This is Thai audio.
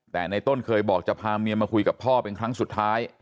แต่ในต้นเคยบอกจะพาเมียมาคุยกับพ่อเป็นครั้งสุดท้าย